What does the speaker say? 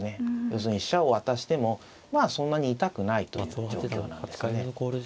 要するに飛車を渡してもまあそんなに痛くないという状況なんですね。